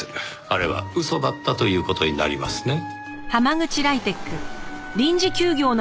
あれは嘘だったという事になりますね。